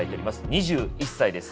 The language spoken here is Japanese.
２１歳です。